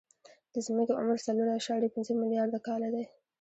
د ځمکې عمر څلور اعشاریه پنځه ملیارده کاله دی.